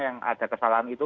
yang ada kesalahan itu